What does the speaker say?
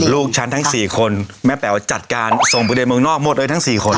ลูกฉันทั้ง๔คนแม่แป๋วจัดการส่งไปเรียนเมืองนอกหมดเลยทั้ง๔คน